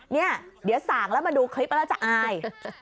เนี่ยเดี๋ยวสั่งแล้วมาดูคลิปแล้วจะอาย